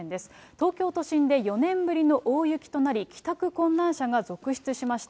東京都心で４年ぶりの大雪となり、帰宅困難者が続出しました。